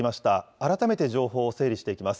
改めて情報を整理していきます。